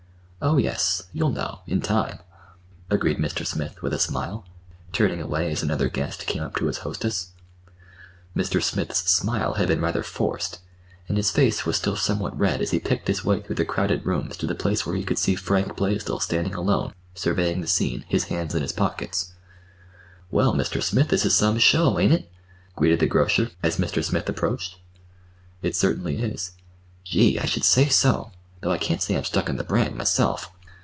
"Oh, yes, you'll know—in time," agreed Mr. Smith with a smile, turning away as another guest came up to his hostess. Mr. Smith's smile had been rather forced, and his face was still somewhat red as he picked his way through the crowded rooms to the place where he could see Frank Blaisdell standing alone, surveying the scene, his hands in his pockets. "Well, Mr. Smith, this is some show, ain't it?" greeted the grocer, as Mr. Smith approached. "It certainly is." "Gee! I should say so—though I can't say I'm stuck on the brand, myself.